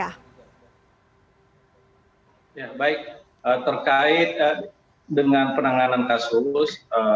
ya baik terkait dengan penanganan kasus